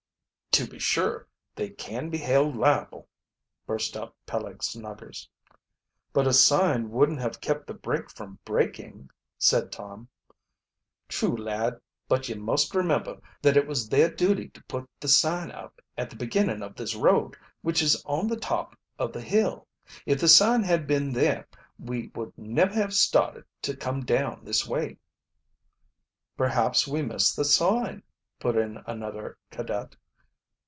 "To be sure they can be held liable," burst out Peleg Snuggers. "But a sign wouldn't have kept the brake from breaking," said Tom. "True, lad, but ye must remember that it was their duty to put the sign up at the beginning of this road, which is on the top of the hill. If the sign had been there we would never have started to come down this way." "Perhaps we missed the sign," put in another cadet.